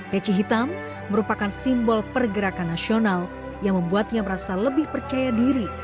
peci hitam merupakan simbol pergerakan nasional yang membuatnya merasa lebih percaya diri